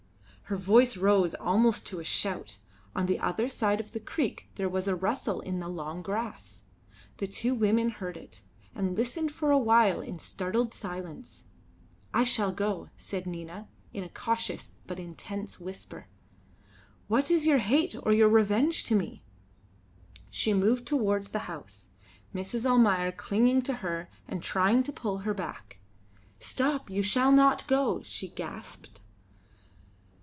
Her voice rose almost to a shout. On the other side of the creek there was a rustle in the long grass. The two women heard it, and listened for a while in startled silence. "I shall go," said Nina, in a cautious but intense whisper. "What is your hate or your revenge to me?" She moved towards the house, Mrs. Almayer clinging to her and trying to pull her back. "Stop, you shall not go!" she gasped.